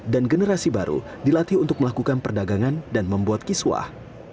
dan generasi baru dilatih untuk melakukan perdagangan dan membuat kiswah